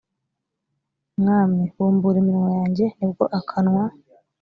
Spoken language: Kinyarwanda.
mwami bumbura iminwa yanjye ni bwo akanwa